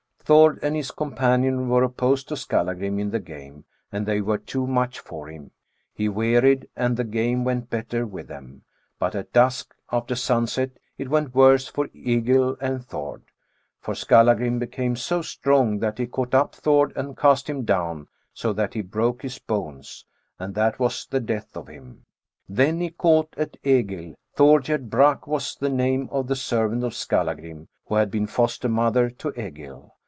" Thord and his companion were opposed to Skallngrim in the game, and they were too much for him, he wearied, and the game went better with them. But at dusk, after sunset, it went worse with Egill and Thord, for Skallagrim became so strong that he caught up Thord and cast him down, so that he broke his bones, and that was the death of him. Then he caught at Egill. Thorgerd BrAk was the name of a servant of Skallagiim, who had been foster mother to Egill.